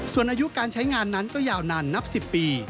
ส่วนอายุการใช้งานนั้นก็ยาวนานนับ๑๐ปี